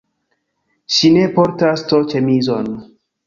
Ŝi ne portas to-ĉemizon